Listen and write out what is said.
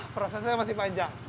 prosesnya masih panjang